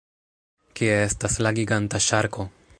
Kie estas la giganta ŝarko?